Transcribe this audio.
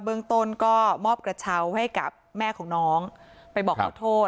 เบื้องต้นก็มอบกระเช้าให้กับแม่ของน้องไปบอกขอโทษ